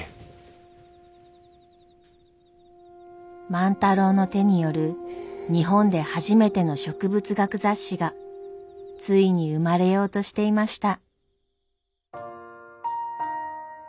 万太郎の手による日本で初めての植物学雑誌がついに生まれようとしていました。